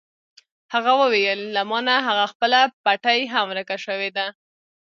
هغه وویل: له ما نه هغه خپله پټۍ هم ورکه شوې ده.